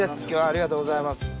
今日はありがとうございます。